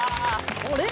あれ？